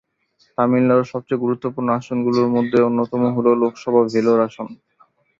তামিলনাড়ুর সবচেয়ে গুরুত্বপূর্ণ আসনগুলির মধ্যে অন্যতম হল লোকসভা ভেলোর আসন।